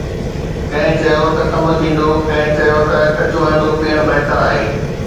ڪنهن چيو ته ڪم ٿيندو، ڪنهن چيو ته ڪچو انڊو پيئڻ بهتر آهي